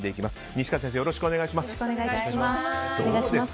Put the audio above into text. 西川先生、よろしくお願いします。